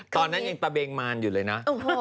ตอนนั้นยังตะเบงมารอยู่เลยนะ